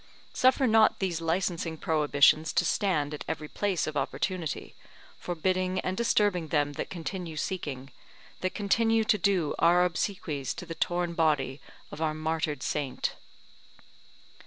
Suffer not these licensing prohibitions to stand at every place of opportunity, forbidding and disturbing them that continue seeking, that continue to do our obsequies to the torn body of our martyred saint.